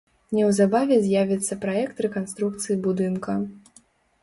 Неўзабаве з'явіцца праект рэканструкцыі будынка.